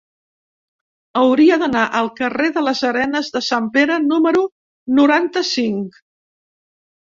Hauria d'anar al carrer de les Arenes de Sant Pere número noranta-cinc.